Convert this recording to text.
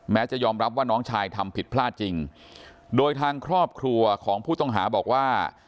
จะยอมรับว่าน้องชายทำผิดพลาดจริงโดยทางครอบครัวของผู้ต้องหาบอกว่า